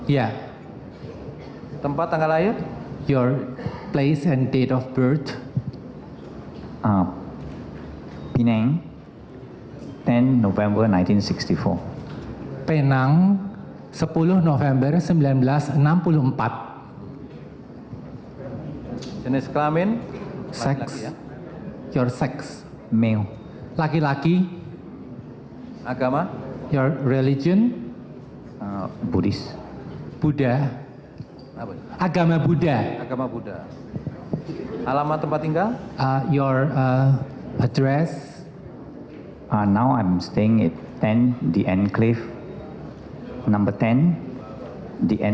ya jadi saya akan mengucapkan bahasa indonesia karena ini adalah bahasa nasional kita